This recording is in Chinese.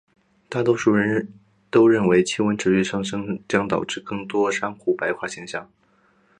大多数人都认为气温的持续上升将导致更多的珊瑚白化现象。